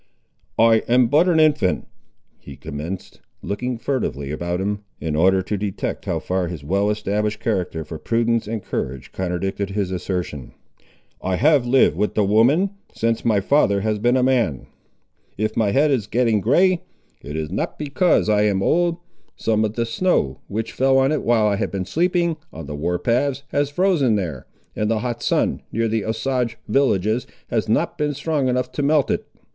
"I am but an infant," he commenced, looking furtively around him, in order to detect how far his well established character for prudence and courage contradicted his assertion. "I have lived with the women, since my father has been a man. If my head is getting grey, it is not because I am old. Some of the snow, which fell on it while I have been sleeping on the war paths, has frozen there, and the hot sun, near the Osage villages, has not been strong enough to melt it."